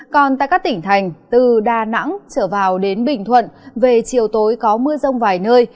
còn tại các tỉnh thành từ đà nẵng trở vào đến bình thuận về chiều tối có mưa rông vài nơi